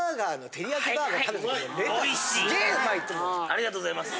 ありがとうございます！